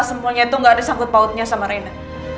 semuanya itu gak ada sangkut pautnya sama rena